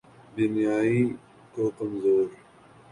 بینائی کو کمزور